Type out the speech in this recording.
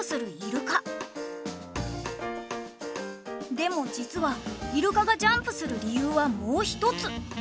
でも実はイルカがジャンプする理由はもう一つ。